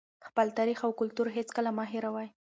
خپل تاریخ او کلتور هېڅکله مه هېروئ.